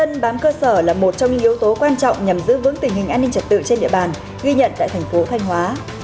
công an bám cơ sở là một trong những yếu tố quan trọng nhằm giữ vững tình hình an ninh trật tự trên địa bàn ghi nhận tại thành phố thanh hóa